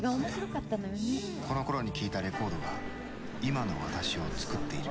このころに聴いたレコードは今の私を作っている」。